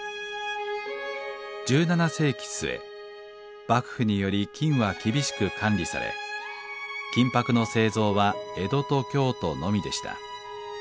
１７世紀末幕府により金は厳しく管理され金箔の製造は江戸と京都のみでした。